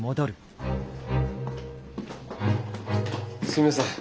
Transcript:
すいません。